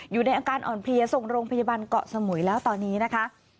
อยู่ในอาการอ่อนเพลียส่งโรงพยาบาลเกาะสมุยแล้วตอนนี้นะคะ